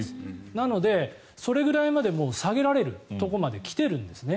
なので、それぐらいまでもう下げられるところまで来ているんですね。